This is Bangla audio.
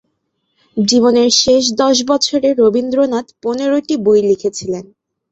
জীবনের শেষ দশ বছরে রবীন্দ্রনাথ পনেরোটি বই লিখেছিলেন।